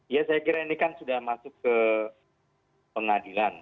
ya saya kira ini kan sudah masuk ke pengadilan